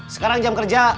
sekarang jam kerja